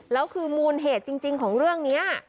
แล้วคือมูลเหตุจริงของเรื่องนี้